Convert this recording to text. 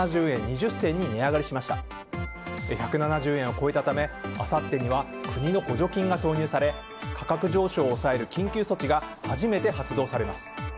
１７０円を超えたためあさってには国の補助金が投入され価格上昇を抑える緊急措置が初めて発動されます。